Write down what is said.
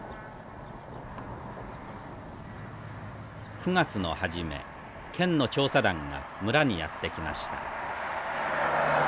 ９月の初め県の調査団が村にやって来ました。